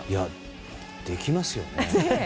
できますよね。